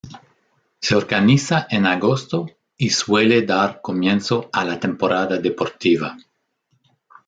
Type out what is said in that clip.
Se organiza en agosto y suele dar comienzo a la temporada deportiva.